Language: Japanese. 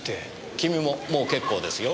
君ももう結構ですよ？